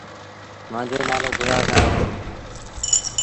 مآݩجو نآلو گلاب راء اهي۔